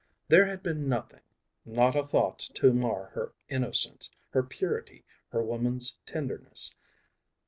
There had been nothing, not a thought to mar her innocence, her purity, her woman's tenderness.